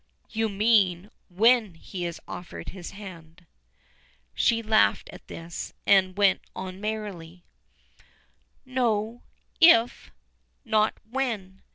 "You mean, when he has offered his hand?" She laughed at this, and went on merrily: "No, 'if;' not 'when.